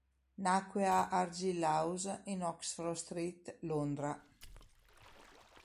Nacque a Argyll House, in Oxford Street, Londra.